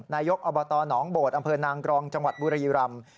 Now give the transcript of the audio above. นายกอบตหนองโบดอำเภอนางกรองจังหวัดบุรีรำ